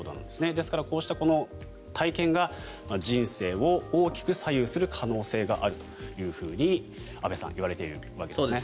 ですから、こうした体験が人生を大きく左右する可能性があると安部さん言われているわけですね。